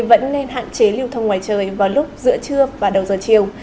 vẫn nên hạn chế lưu thông ngoài trời vào lúc giữa trưa và đầu giờ chiều